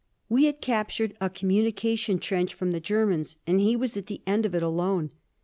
We had captured a communication trench from the Germans and he was at the end of it, alone.